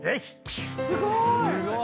すごーい！